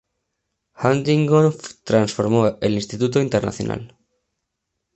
Huntington transformó el Instituto Internacional.